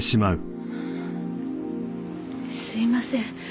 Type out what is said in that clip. すいません。